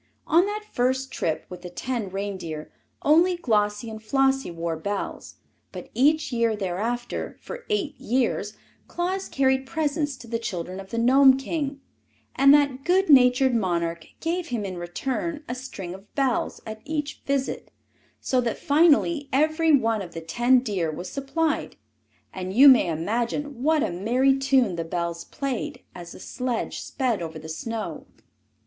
On that first trip with the ten reindeer only Glossie and Flossie wore bells; but each year thereafter for eight years Claus carried presents to the children of the Gnome King, and that good natured monarch gave him in return a string of bells at each visit, so that finally every one of the ten deer was supplied, and you may imagine what a merry tune the bells played as the sledge sped over the snow.